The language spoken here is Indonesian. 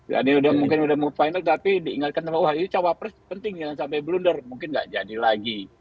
jadi mungkin sudah muda final tapi diingatkan bahwa wah ini cawapres penting jangan sampai blunder mungkin nggak jadi lagi